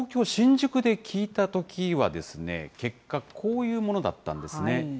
東京・新宿で聞いたときは、結果、こういうものだったんですね。